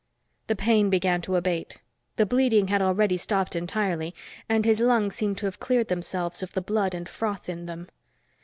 The pain began to abate. The bleeding had already stopped entirely and his lungs seemed to have cleared themselves of the blood and froth in them.